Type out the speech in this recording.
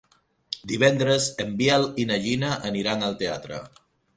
Divendres en Biel i na Gina aniran al teatre.